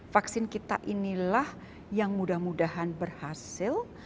vaksin kita inilah yang mudah mudahan berhasil